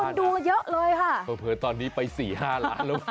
คนดูเยอะเลยค่ะเผลอตอนนี้ไป๔๕ล้าน